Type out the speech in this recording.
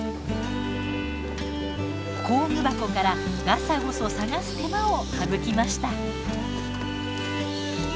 工具箱からがさごそ探す手間を省きました。